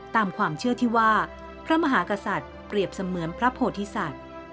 ตามความเชื่อที่ว่าพระมหากษัตริย์เปรียบเสมือนพระโพธิสัตว์